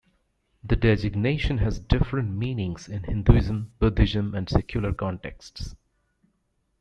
The designation has different meanings in Hinduism, Buddhism and secular contexts.